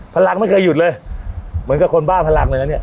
พลังไม่เคยหยุดเลยเหมือนกับคนบ้าพลังเลยนะเนี่ย